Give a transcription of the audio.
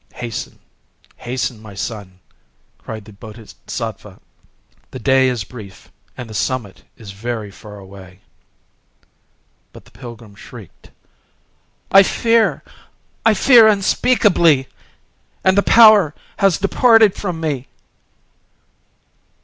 "Hasten, hasten, my son!" cried the Bodhisattva: "the day is brief, and the summit is very far away." But the pilgrim shrieked,—"I fear! I fear unspeakably!—and the power has departed from me!"